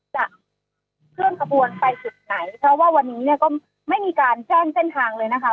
จะเคลื่อนขบวนไปจุดไหนเพราะว่าวันนี้เนี่ยก็ไม่มีการแจ้งเส้นทางเลยนะคะ